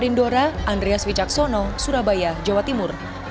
dan sebagian warga lainnya menerima blt sembako